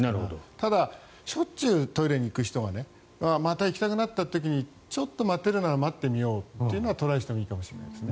ただ、しょっちゅうトイレに行く人はまた行きたくなった時にちょっと待てるなら待ってみようというのはトライしてもいいかもしれないですね。